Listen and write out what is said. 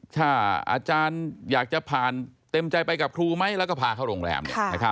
ถ้าอาจารย์อยากจะผ่านเต็มใจไปกับครูไหมแล้วก็พาเข้าโรงแรม